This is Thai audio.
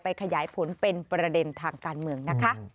ขยายผลเป็นประเด็นทางการเมืองนะคะ